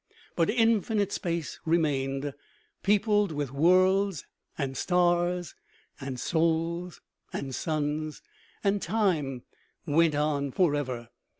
But infinite space remained, peopled with worlds, and stars, and souls, and suns ; and time went on forever.